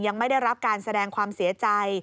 ยังไม่ได้รับการแสดงความเสียใจ